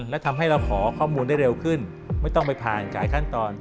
และทำให้เราขอข้อมูลได้เร็วขึ้นไม่ต้องไปผ่านหลายขั้นตอน